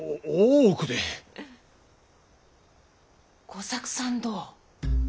吾作さんどう！？